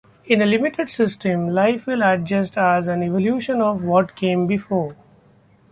In a limited system life will adjust as an Evolution of what came before.